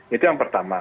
itu yang pertama